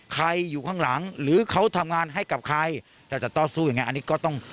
อยู่ข้างหลังหรือเขาทำงานให้กับใครเราจะต่อสู้ยังไงอันนี้ก็ต้อง